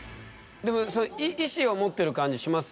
でも意思を持ってる感じします？